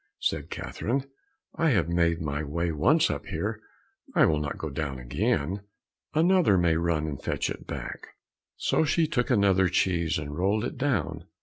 Said Catherine, "I have made my way once up here, I will not go down again; another may run and fetch it back." So she took another cheese and rolled it down.